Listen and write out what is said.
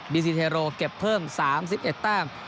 ซีเทโรเก็บเพิ่ม๓๑แต้ม